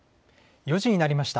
４時になりました。